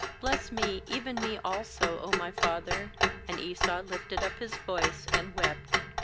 bless me, even me also, 0 my father/ And Esau lifted up his voice, and wept.